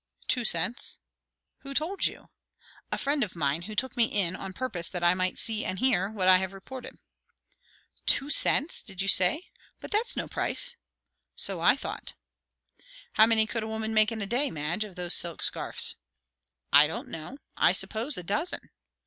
"Two cents." "Who told you?" "A friend of mine, who took me in on purpose that I might see and hear, what I have reported." "Two cents, did you say? But that's no price!" "So I thought." "How many could a woman make in a day, Madge, of those silk scarfs?" "I don't know I suppose, a dozen."